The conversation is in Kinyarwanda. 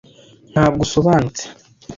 Ntabwo usobanutse.